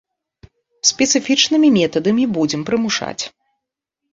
Спецыфічнымі метадамі будзем прымушаць.